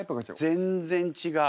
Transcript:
全然違う。